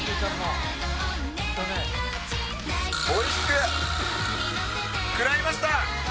おいしく、喰らいました。